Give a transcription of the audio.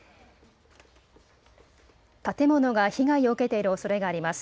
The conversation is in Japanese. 建物が被害を受けているおそれがあります。